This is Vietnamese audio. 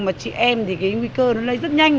mà chị em thì cái nguy cơ nó lây rất nhanh